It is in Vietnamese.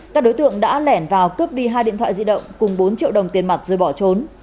các đối tượng đã lẻn vào cướp đi hai điện thoại di động cùng bốn triệu đồng tiền mặt rồi bỏ trốn